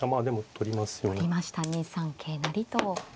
取りました２三桂成と。